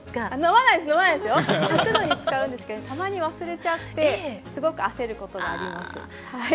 履くのに使うんですけどたまに忘れちゃってすごく焦ることがあります。